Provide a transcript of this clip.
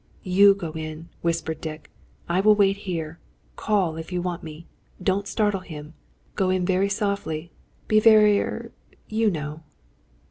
"You go in," whispered Dick. "I will wait here. Call, if you want me. Don't startle him. Go in very softly. Be very er you know?"